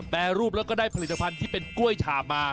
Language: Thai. แปรรูปแล้วก็ได้ผลิตภัณฑ์ที่เป็นกล้วยฉาบมา